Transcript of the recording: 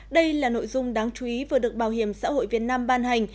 đây là nội dung đáng chú ý vừa được bảo hiểm xã hội việt nam ban hành